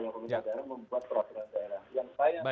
yang pemerintah daerah membuat peraturan daerah